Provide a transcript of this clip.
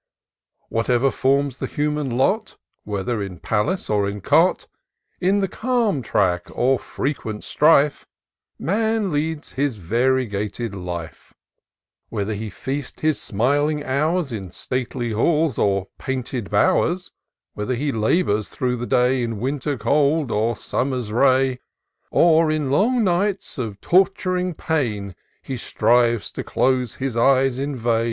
Wliatever forms the human lot, Whether in palace or in cot, In the calm track or frequent strife, Man leads his variegated life ; Whether he feast his smiling hours In stately halls or painted bow'rs ; Whether he labour through the day In Winter's cold, or Summer's ray ; Or, in long nights of tort'ring pain, He strive to close his eyes in vain.